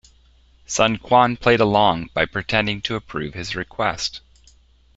Sun Quan played along by pretending to approve his request.